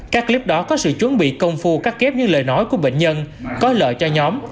các clip đó có sự chuẩn bị công phu cắt kép những lời nói của bệnh nhân có lợi cho nhóm